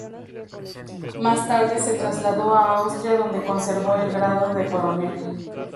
Más tarde se trasladó a Austria donde conservó el grado de coronel.